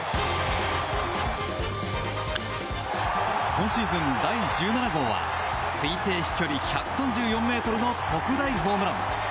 今シーズン第１７号は推定飛距離１３４ｍの特大ホームラン！